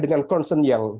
dengan concern yang